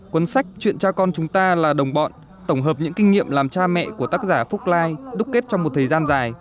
cuốn sách chuyện cha con chúng ta là đồng bọn tổng hợp những kinh nghiệm làm cha mẹ của tác giả phúc lai đúc kết trong một thời gian dài